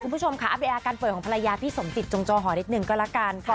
คุณผู้ชมค่ะอัปเดตอาการป่วยของภรรยาพี่สมจิตจงจอหอนิดหนึ่งก็แล้วกันค่ะ